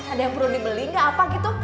ada yang perlu dibeli nggak apa gitu